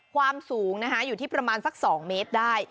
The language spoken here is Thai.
ความสูงนะคะอยู่ที่ประมาณสัก๒เมตรได้